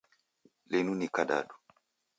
Linu ni kadadu